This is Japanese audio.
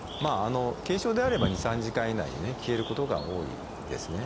軽症であれば２３時間以内に消えることが多いですね。